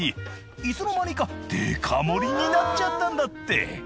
いつの間にかデカ盛りになっちゃったんだって。